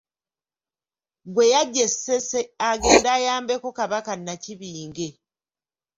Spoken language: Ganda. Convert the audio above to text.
Gwe yaggya e Ssese agende ayambeko Kabaka Nakibinge.